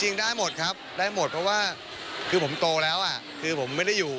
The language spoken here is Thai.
จริงได้หมดครับได้หมดเพราะว่าคือผมโตแล้วคือผมไม่ได้อยู่